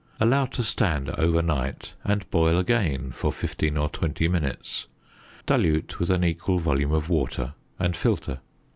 Allow to stand overnight and boil again for 15 or 20 minutes; dilute with an equal volume of water, and filter.